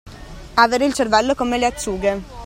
Avere il cervello come le acciughe.